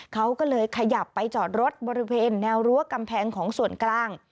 เขาก็เลยขยับไปจอดรถบริเวณแนวรั้วกำแพงของส่วนกลาง